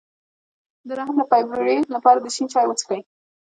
د رحم د فایبرویډ لپاره د شین چای وڅښئ